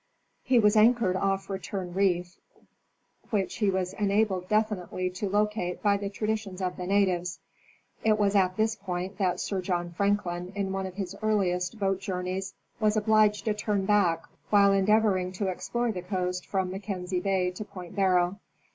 He was anchored off Return reef, which he was enabled definitely to locate by the traditions of the natives. It was at this point that Sir John Franklin, in one of his earliest boat journeys, was obliged to turn back while endeavoring to explore the coast from Mackenzie bay to Point Barrow.